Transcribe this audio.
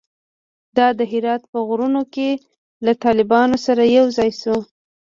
د دهراوت په غرونوکښې له طالبانو سره يوځاى سو.